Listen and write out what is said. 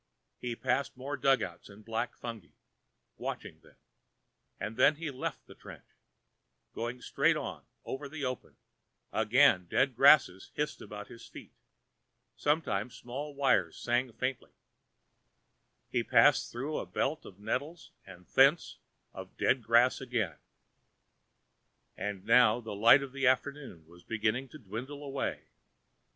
He passed more dug outs and black fungi, watching them; and then he left the trench, going straight on over the open: again dead grasses hissed about his feet, sometimes small wire sang faintly He passed through a belt of nettles and thence to dead grass again. And now the light of the afternoon was beginning to dwindle away.